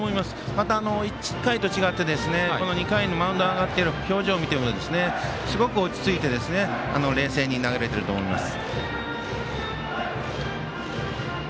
また、１回と違って２回のマウンドに上がっている表情を見てもすごく落ち着いて冷静に投げれてると思います。